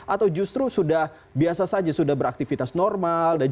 atau justru sudah biasa saja sudah beraktivitas normal